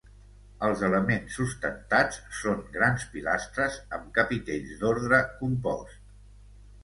Els elements sustentats són grans pilastres amb capitells d'ordre compost.